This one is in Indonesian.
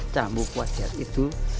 camu kuasiat itu